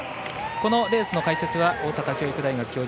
このレースの解説は大阪教育大学教授